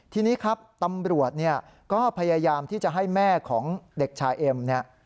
ทีนี้ครับตำรวจเนี่ยก็พยายามที่จะให้แม่ของเด็กชายเอ็มเนี่ย